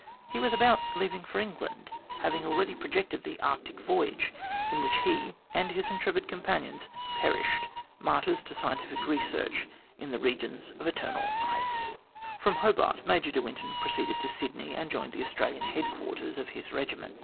He was about leaving for England, having already projected the Arctic voyage in which he and his intrepid companions perished, martyrs to scientific research, in the regions of eternal From Hobart Major de Winton proceeded to Sydney, and joined the Australian headquarters of his regiment.